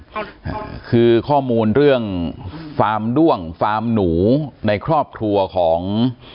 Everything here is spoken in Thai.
ค่ะอ่าคือข้อมูลเรื่องฟาร์มด้วงฟาร์มหนูในครอบครัวของ